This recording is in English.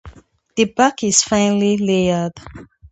The bark is finely layered.